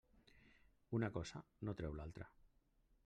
Una cosa no treu l'altra.